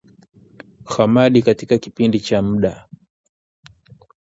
Khamadi katika kipindi cha Muda